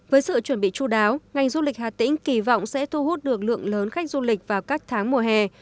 với sự chuẩn bị chú đáo ngành du lịch hà tĩnh kỳ vọng sẽ thu hút được lượng lớn khách du lịch vào các tháng mùa hè